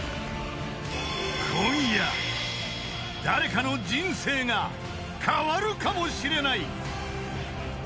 ［今夜誰かの人生が変わるかもしれない］